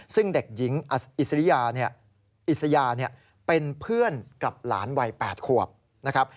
ซึ่งเด็กหญิงอิสริยาอิสยาเป็นเพื่อนกับหลานวัย๘ขวบนะครับ